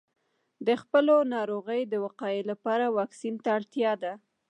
د خپلو ناروغیو د وقایې لپاره واکسین ته اړتیا ده.